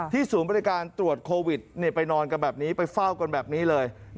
ศูนย์บริการตรวจโควิดไปนอนกันแบบนี้ไปเฝ้ากันแบบนี้เลย